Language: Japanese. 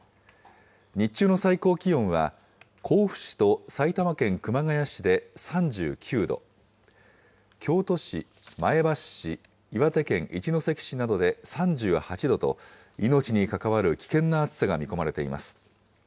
日中の最高気温は、甲府市と埼玉県熊谷市で３９度、京都市、前橋市、岩手県一関市などで３８度と、命に関わる危険な暑さが見込まれています。